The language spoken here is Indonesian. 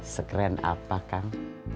sekeren apa kang